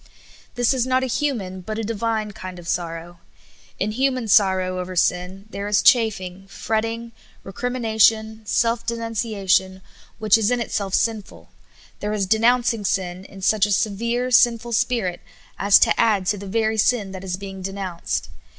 This is not a human, but a divine kind of sorrow. In human sorrow over sin there is a chafing, fretting, SORROW FOR SIN. 6 1 recriiiiiuation, self denunciation, which is in itself sin ful ; there is denouncing sin in such a severe, sinful spirit as to add to the very sin that is being denounced.